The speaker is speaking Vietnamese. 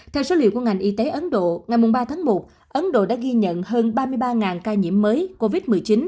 theo số liệu của ngành y tế ấn độ ngày ba tháng một ấn độ đã ghi nhận hơn ba mươi ba ca nhiễm mới covid một mươi chín